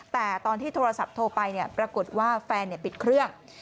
แต่ตอนที่โทรศัพท์โทรไปปรากฏว่าแฟนปิดเครื่อง